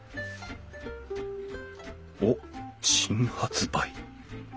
おっ新発売